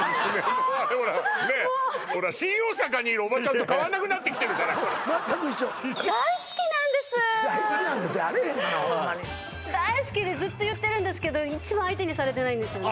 もうほら新大阪にいるおばちゃんと変わんなくなってきてるから全く一緒「大好きなんです」やあれへんがなホンマに大好きでずっと言ってるけど一番相手にされてないんですよね